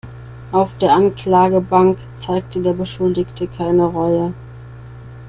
Auf der Anklagebank zeigte der Beschuldigte keine Reue.